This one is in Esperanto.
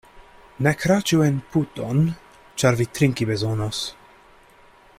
Ne kraĉu en puton, ĉar vi trinki bezonos.